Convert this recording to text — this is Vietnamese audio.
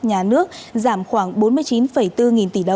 nhà nước giảm khoảng bốn mươi chín bốn